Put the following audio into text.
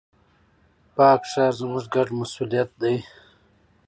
پاک ښار، زموږ ګډ مسؤليت دی.